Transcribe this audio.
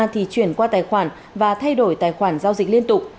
thì chuyển qua tài khoản và thay đổi tài khoản giao dịch liên tục